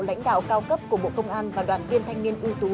lãnh đạo cao cấp của bộ công an và đoàn viên thanh niên ưu tú